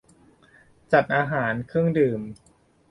-จัดหาอาหาร-เครื่องดื่ม